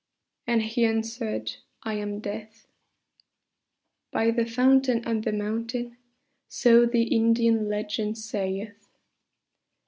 And he answered, "I am Death." By the fountain on the mountain So the Indian legend saith.